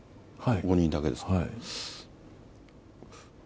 ５人だけですか？